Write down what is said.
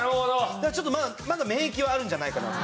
だからちょっとまだ免疫はあるんじゃないかなと。